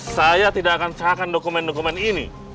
saya tidak akan serahkan dokumen dokumen ini